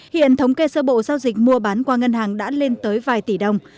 hiện thống kê sơ bộ giao dịch mua bán qua ngân hàng đã lên tới vài tỷ đồng